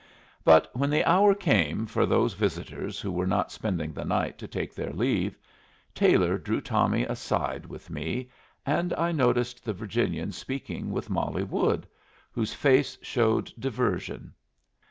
But when the hour came for those visitors who were not spending the night to take their leave, Taylor drew Tommy aside with me, and I noticed the Virginian speaking with Molly Wood, whose face showed diversion.